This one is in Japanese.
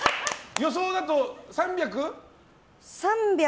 予想だと３００？